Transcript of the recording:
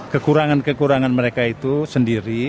kekurangan kekurangan mereka itu sendiri